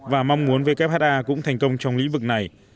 và mong muốn wh cũng thành công trong lĩnh vực này